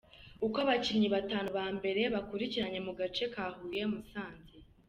Uko abakinnyi batanu ba mbere bakurikiranye mu gace ka Huye-Musanze